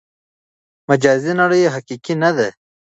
مجازي نړۍ حقیقي نه ده.